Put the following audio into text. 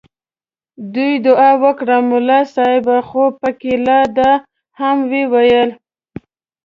دوی دعا وکړه ملا صاحب خو پکې لا دا هم وویل.